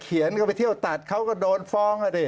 เขาเขียนเข้าไปเที่ยวตัดเขาก็โดนฟ้องแล้วดิ